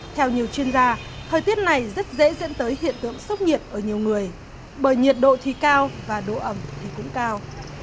theo nhiều chuyên gia thời tiết này rất dễ dẫn tới hiện tượng sốc nhiệt ở nhiều người bởi nhiệt độ thì cao và độ ẩm thì cũng cao